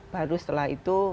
baru setelah itu